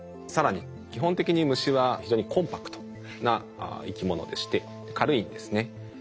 更に基本的に虫は非常にコンパクトな生き物でして軽いんですね。